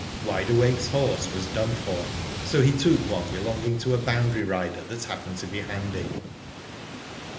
Wide Awake's horse was done for, so he took one belonging to a boundary rider that happened to be handy.